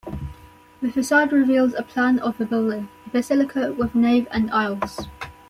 The facade reveals the plan of the building, a basilica with nave and aisles.